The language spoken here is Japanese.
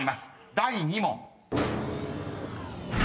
第２問］